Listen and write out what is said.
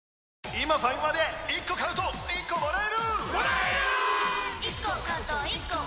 今ファミマで１個買うと１個もらえるもらえるっ！！